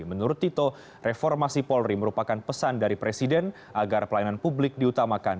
menurut tito reformasi polri merupakan pesan dari presiden agar pelayanan publik diutamakan